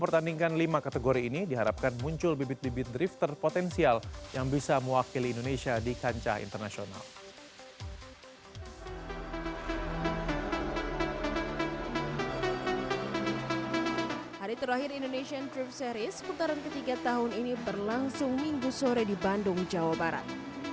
seputaran ketiga tahun ini berlangsung minggu sore di bandung jawa barat